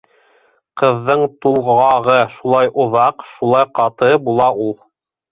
Ҡыҙҙың тулғағы шулай оҙаҡ, шулай ҡаты була ул.